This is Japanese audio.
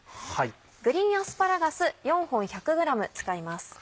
グリーンアスパラガス４本１００ｇ使います。